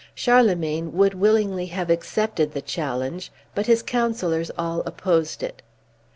Charlemagne would willingly have accepted the challenge, but his counsellors all opposed it.